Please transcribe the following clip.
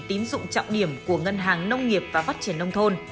tín dụng trọng điểm của ngân hàng nông nghiệp và phát triển nông thôn